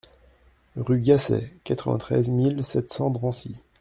Rue Gasset, quatre-vingt-treize mille sept cents Drancy